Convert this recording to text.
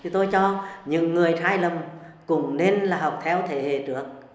tôi cho những người hai năm cũng nên là học theo thể hệ trước